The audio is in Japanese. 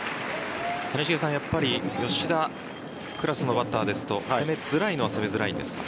谷繁さん、やっぱり吉田クラスのバッターですと攻めづらいのは攻めづらいんですか？